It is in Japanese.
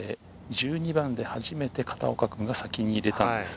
１２番で初めて片岡君が先に入れたんです。